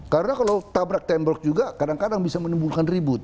karena kalau tabrak tembok juga kadang kadang bisa menimbulkan ribut